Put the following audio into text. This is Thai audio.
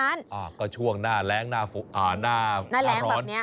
อ่าก็ช่วงหน้าแร้งหน้าฝุกอ่าหน้าแร้งแบบนี้